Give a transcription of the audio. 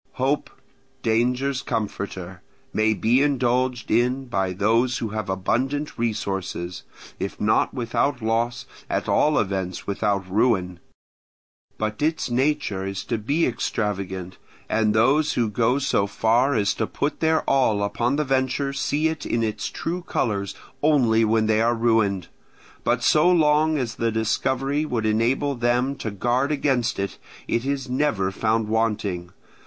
Hope, danger's comforter, may be indulged in by those who have abundant resources, if not without loss at all events without ruin; but its nature is to be extravagant, and those who go so far as to put their all upon the venture see it in its true colours only when they are ruined; but so long as the discovery would enable them to guard against it, it is never found wanting.